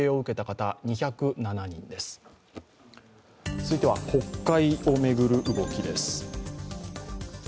続いては国会を巡る動きです。